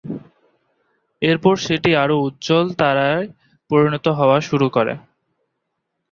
এরপর সেটি আরও উজ্জ্বল তারায় পরিণত হওয়া শুরু করে।